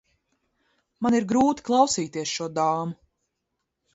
Man ir grūti klausīties šo dāmu.